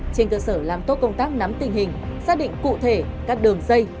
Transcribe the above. trên cơ sở làm tốt công tác nắm tình hình xác định cụ thể các đường dây